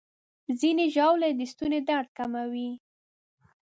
ځینې ژاولې د ستوني درد کموي.